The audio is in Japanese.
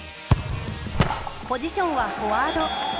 ポジションはフォワード。